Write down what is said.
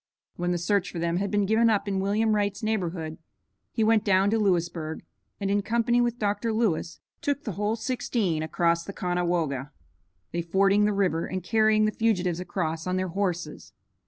When the search for them had been given up in William Wright's neighborhood, he went down to Lewisburg and in company with Dr. Lewis took the whole sixteen across the Conewago, they fording the river and carrying the fugitives across on their horses.